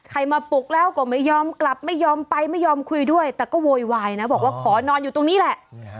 ใครมาปลุกแล้วก็ไม่ยอมกลับไม่ยอมไปไม่ยอมคุยด้วยแต่ก็โวยวายนะบอกว่าขอนอนอยู่ตรงนี้แหละ